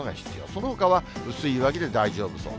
そのほかは薄い上着で大丈夫そう。